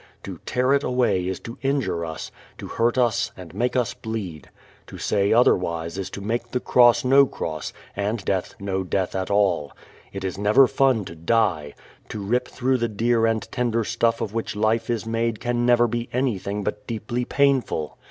To tear it away is to injure us, to hurt us and make us bleed. To say otherwise is to make the cross no cross and death no death at all. It is never fun to die. To rip through the dear and tender stuff of which life is made can never be anything but deeply painful.